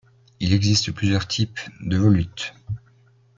Il existe plusieurs types de volutes.